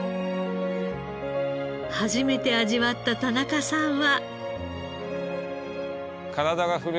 初めて味わった田中さんは。